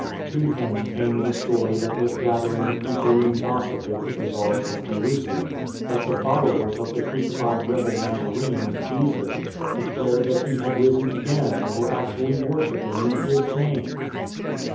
To him came the story that was gathering the people in gossip in the bazaars of Jerusalem — that the followers of the crucified rebel Nazarene, Jesus, de clared that He had risen again and were actually wor shipping in His name.